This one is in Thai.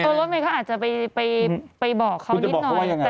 คุณเรมม่ายเค้าอาจจะไปบอกเขานิดหน่อยคุณจะบอกเขาว่ายังไง